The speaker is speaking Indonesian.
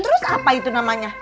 terus apa itu namanya